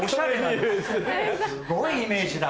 すごいイメージだな。